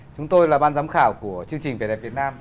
chúng tôi là ban giám khảo của chương trình vẻ đẹp việt nam